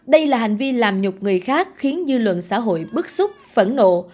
đây là hành vi làm nhục người khác khiến dư luận xã hội bức xúc phẫn nộ